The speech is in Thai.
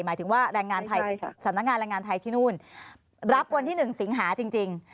หมายถึงว่าแรงงานไทยสำนักงานแรงงานไทยที่นู่นรับวันที่๑สิงหาจริง